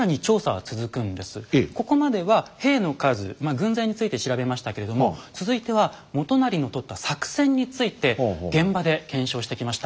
軍勢について調べましたけれども続いては元就のとった作戦について現場で検証してきました。